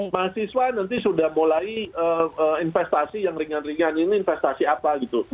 mahasiswa nanti sudah mulai investasi yang ringan ringan ini investasi apa gitu